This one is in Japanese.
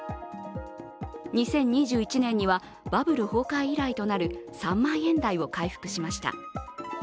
２０２１年には、バブル崩壊以来となる３万円台を回復しました。